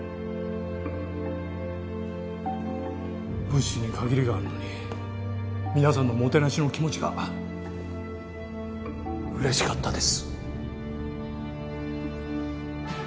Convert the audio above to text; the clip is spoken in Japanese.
物資に限りがあるのに皆さんのもてなしの気持ちがうれしかったです。